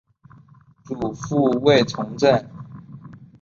祖父卫从政。